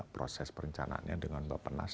proses perencanaannya dengan bapak nas